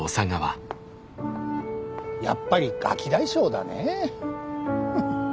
やっぱりガキ大将だねえ。